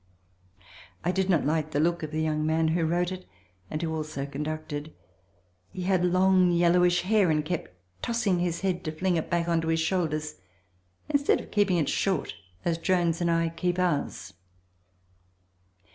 I did not like the look of the young man who wrote it and who also conducted. He had long yellowish hair and kept tossing his head to fling it back on to his shoulders, instead of keeping it short as Jones and I keep ours.